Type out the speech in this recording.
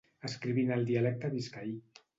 Escriví en el dialecte biscaí.